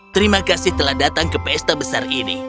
terima kasih telah datang ke pesta besar ini